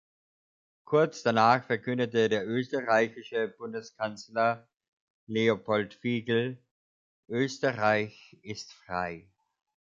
Kurz danach verkündete der österreichische Bundeskanzler Leopold Figl: "Österreich ist frei!